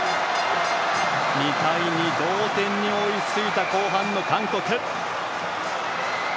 ２対２、同点に追いついた後半の韓国。